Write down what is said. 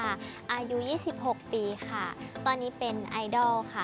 อายุ๒๖ปีค่ะตอนนี้เป็นไอดอลค่ะ